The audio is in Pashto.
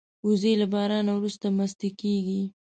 وزې له باران وروسته مستې کېږي